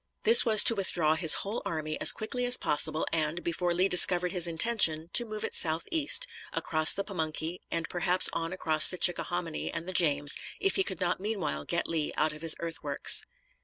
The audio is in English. This was to withdraw his whole army as quickly as possible, and, before Lee discovered his intention, to move it southeast, across the Pamunkey, and perhaps on across the Chickahominy and the James, if he could not meanwhile get Lee out of his earthworks.